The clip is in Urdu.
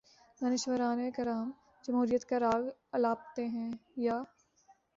دانشوران کرام جمہوریت کا راگ الاپتے ہیں یا